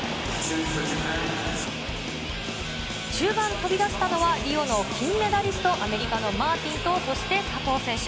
中盤、飛び出したのは、リオの金メダリスト、アメリカのマーティンと、そして佐藤選手。